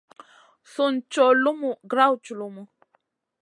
Sùn cow lumu grawd culumu.